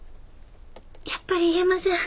やっぱり言えません。